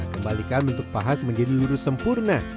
kembalikan bentuk pahat menjadi lurus sempurna